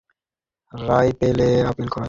রায় হাতে পেলে আপিল করা হবে।